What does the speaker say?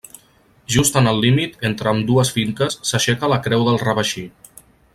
Just en el límit entre ambdues finques s'aixeca la Creu del Reveixí.